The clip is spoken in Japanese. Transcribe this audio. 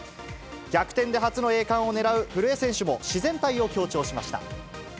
逆転で初の栄冠を狙う古江選手も自然体を強調しました。